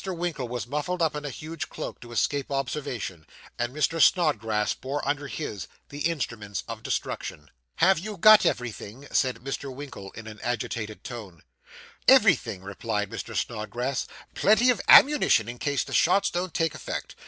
Winkle was muffled up in a huge cloak to escape observation, and Mr. Snodgrass bore under his the instruments of destruction. 'Have you got everything?' said Mr. Winkle, in an agitated tone. 'Everything,' replied Mr. Snodgrass; 'plenty of ammunition, in case the shots don't take effect.